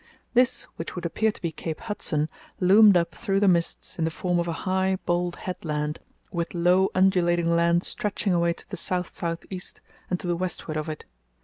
This, which would appear to be Cape Hudson, loomed up through the mists in the form of a high, bold headland, with low undulating land stretching away to the south south east and to the westward of it.